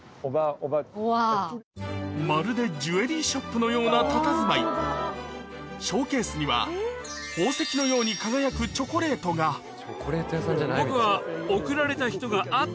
まるでジュエリーショップのようなたたずまいショーケースには宝石のように輝くチョコレートが僕は贈られた人があっ！